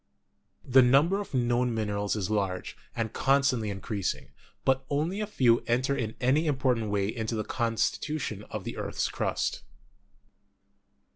The number of known minerals is large, and constantly increasing, but only a few enter in any important way into the constitution of the earth's crust.